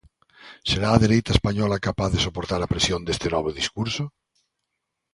Será a dereita española capaz de soportar a presión deste novo discurso?